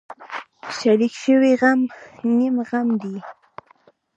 شریک شوی غم نیم غم دی.